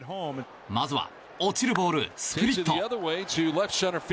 まずは落ちるボールスプリット。